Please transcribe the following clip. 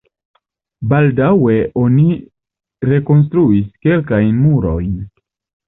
Baldaŭe oni rekonstruis kelkajn murojn.